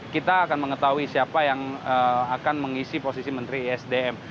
kita akan mengetahui siapa yang akan mengisi posisi menteri isdm